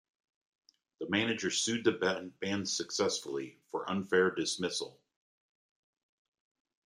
The manager sued the band successfully, for unfair dismissal.